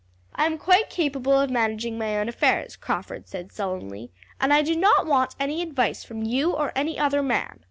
"I am quite capable of managing my own affairs," Crawford said sullenly, "and I do not want any advice from you or any other man."